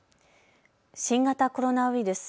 新型コロナウイルス。